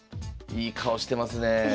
いい顔してますね。